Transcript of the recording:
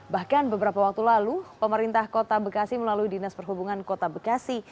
bahkan beberapa waktu lalu pemerintah kota bekasi melalui dinas perhubungan kota bekasi